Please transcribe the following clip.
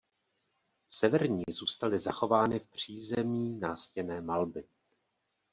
V severní zůstaly zachovány v přízemí nástěnné malby.